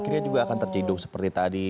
tidak akan terciduk seperti tadi